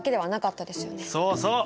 そうそう。